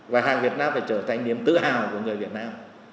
và hàng việt nam phải trở thành niềm tự hào của người việt nam